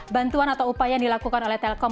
bantuan atau upaya yang dilakukan oleh telkom